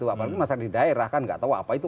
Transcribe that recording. apalagi masyarakat di daerah kan nggak tahu apa itu